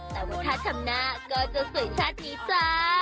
แต่ว่าถ้าทำหน้าก็จะสวยชาตินี้จ้า